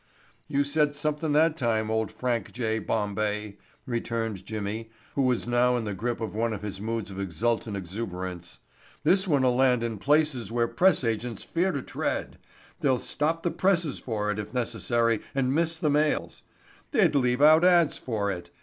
"You said somethin' that time, old Frank J. Bombay," returned Jimmy who was now in the grip of one of his moods of exultant exuberance. "This one'll land in places where press agents fear to tread. They'd stop the presses for it, if necessary, and miss the mails. They'd leave out ads for it.